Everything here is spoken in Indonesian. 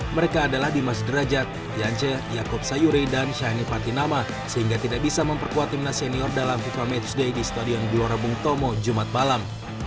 mereka adalah dimas derajat diance yaakob sayuri dan shani patinama sehingga tidak bisa memperkuat timnas senior dalam fifa matchday di stadion gelora bung tomo jumat malam